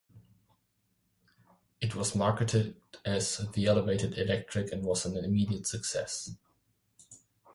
It was marketed as 'The Elevated Electric' and was an immediate success.